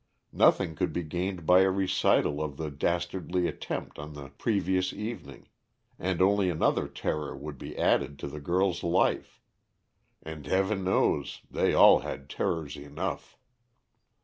Nothing could be gained by a recital of the dastardly attempt on the previous evening, and only another terror would be added to the girl's life. And, Heaven knows, they all had terrors enough.